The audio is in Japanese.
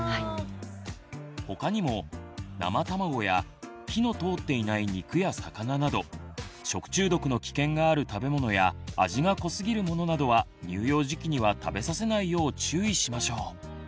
他にも生卵や火の通っていない肉や魚など食中毒の危険がある食べ物や味が濃すぎるものなどは乳幼児期には食べさせないよう注意しましょう。